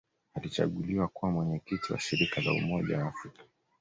Alichaguliwa kuwa Mwenyekiti wa Shirika la Umoja wa Afrika